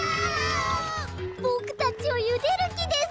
ボクたちをゆでるきです。